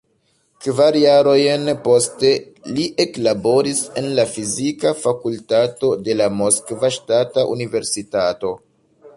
Kvar jarojn poste, li eklaboris en la Fizika Fakultato de la Moskva Ŝtata Universitato.